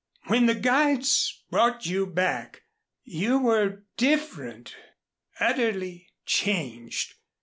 When the guides brought you back you were different, utterly changed.